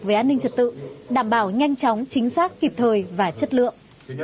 về an ninh trật tự đảm bảo nhanh chóng chính xác kịp thời và chất lượng